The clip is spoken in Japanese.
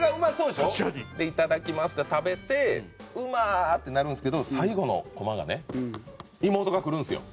で「いただきますっ！！」って食べて「ウマー！！！」ってなるんですけど最後のコマがね妹が来るんですよ。